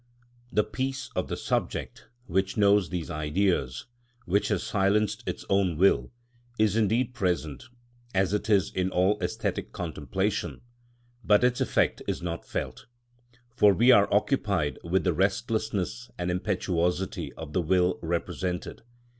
The peace of the subject which knows these Ideas, which has silenced its own will, is indeed present, as it is in all æsthetic contemplation; but its effect is not felt, for we are occupied with the restlessness and impetuosity of the will represented.